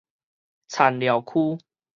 田寮區